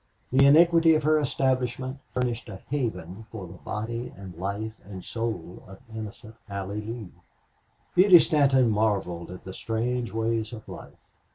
The iniquity of her establishment furnished a haven for the body and life and soul of innocent Allie Lee. Beauty Stanton marveled at the strange ways of life.